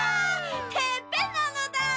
てっぺんなのだ！